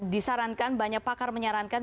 disarankan banyak pakar menyarankan